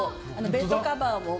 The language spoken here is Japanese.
ベッドカバーも。